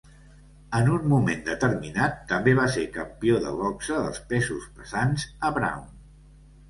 En un moment determinat, també va ser campió de boxa dels pesos pesants a Brown.